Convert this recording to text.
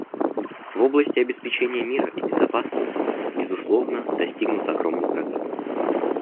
В области обеспечения мира и безопасности, безусловно, достигнут огромный прогресс.